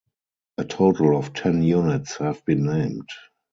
A total of ten units have been named.